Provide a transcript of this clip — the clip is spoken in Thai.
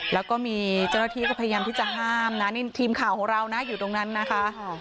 แล้วก็มีเจ้าหน้าที่ก็พยายามที่จะห้ามนะนี่ทีมข่าวของเรานะอยู่ตรงนั้นนะคะ